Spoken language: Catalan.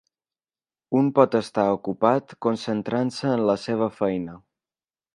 Un pot estar ocupat concentrant-se en la seva feina.